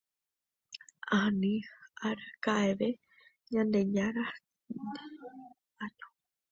ani araka'eve ndereja ne año